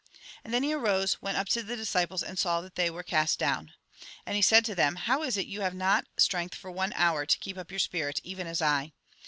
And then he arose, went up to the disciples, and saw that they were cast down. And he said to them :" How is it you have not strength for one hour to keep up your spirit, even as I